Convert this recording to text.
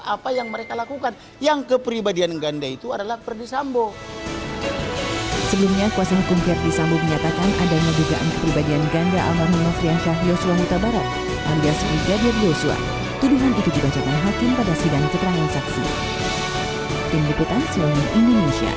apa yang mereka lakukan yang kepribadian ganda itu adalah berdisambung